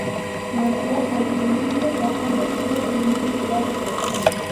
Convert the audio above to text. Marcial al principio, se ha convertido en un ritual deportivo.